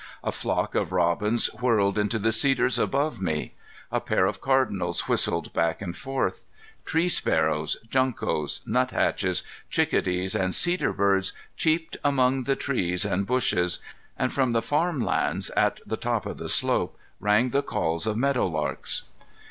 A flock of robins whirled into the cedars above me; a pair of cardinals whistled back and forth; tree sparrows, juncos, nuthatches, chickadees, and cedar birds cheeped among the trees and bushes; and from the farm lands at the top of the slope rang the calls of meadowlarks.